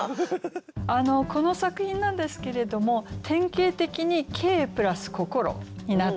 この作品なんですけれども典型的に「景」＋「心」になってるんですよね。